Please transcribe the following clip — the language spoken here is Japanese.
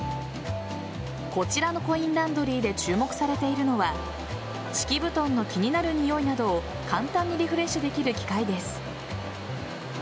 こちらのコインランドリーで注目されているのは敷布団の気になる臭いなどを簡単にリフレッシュできる機械です。